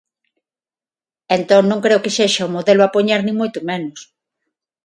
Entón, non creo que sexa o modelo a poñer, nin moito menos.